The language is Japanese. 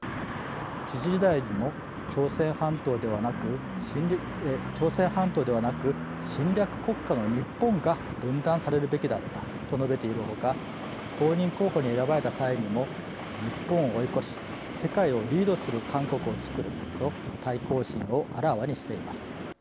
知事時代にも「朝鮮半島ではなく侵略国家の日本が分断されるべきだった」と述べているほか公認候補に選ばれた際にも「日本を追い越し世界をリードする韓国をつくる」と対抗心をあらわにしています。